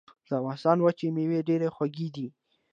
د افغانستان وچې مېوې ډېرې خوږې دي.